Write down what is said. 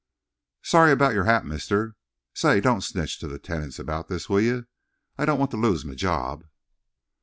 Sorry about your hat, mister. Say, don't snitch to the tenants about this, will yer? I don't want to lose me job."